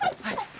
はい。